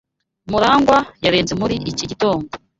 Murangwa yarenze muri iki gitondo.